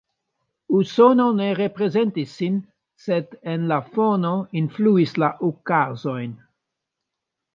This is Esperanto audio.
Usono ne reprezentis sin, sed en la fono influis la okazojn.